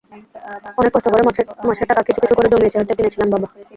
অনেক কষ্ট করে মাসের টাকা কিছু কিছু করে জমিয়ে চেয়ারটা কিনেছিলেন বাবা।